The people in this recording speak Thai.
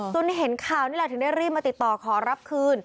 เห็นข่าวนี่แหละถึงได้รีบมาติดต่อขอรับคืน